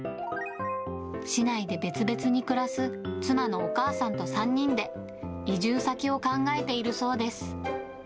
市内で別々に暮らす妻のお母さんと３人で、移住先を考えているそうです。